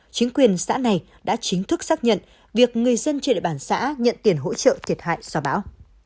chính quyền xã này đã chính thức xác nhận việc người dân trên địa bàn xã nhận tiền hỗ trợ thiệt hại do bão